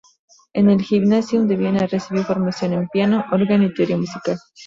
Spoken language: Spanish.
En el Gymnasium de Viena recibió formación en piano, órgano y teoría musical.